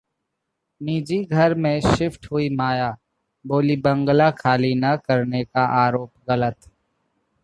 निजी घर में शिफ्ट हुईं माया, बोलीं- बंगला खाली न करने का आरोप गलत